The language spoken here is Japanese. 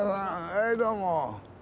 はいどうも。